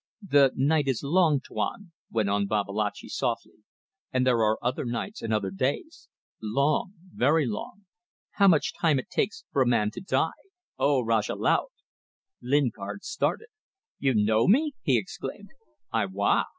"The night is long, Tuan," went on Babalatchi, softly, "and there are other nights and other days. Long. Very long ... How much time it takes for a man to die! O Rajah Laut!" Lingard started. "You know me!" he exclaimed. "Ay wa!